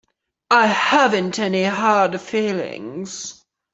I haven't any hard feelings.